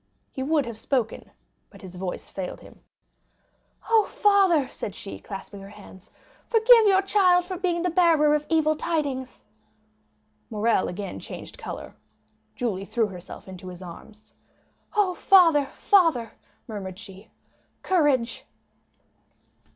He would have spoken, but his voice failed him. "Oh, father!" said she, clasping her hands, "forgive your child for being the bearer of evil tidings." Morrel again changed color. Julie threw herself into his arms. "Oh, father, father!" murmured she, "courage!"